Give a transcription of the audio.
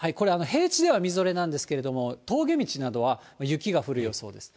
平地ではみぞれなんですけども、峠道などは雪が降る予想です。